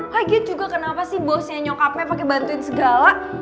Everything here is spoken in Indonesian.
laget juga kenapa sih bosnya nyokapnya pake bantuin segala